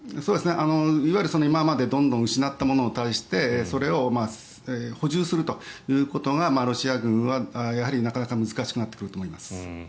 いわゆる、今までどんどん失ったものに対してそれを補充するということがロシア軍はやはりなかなか難しくなってくると思います。